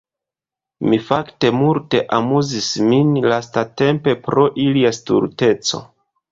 Mi fakte multe amuzis min lastatempe pro ilia stulteco.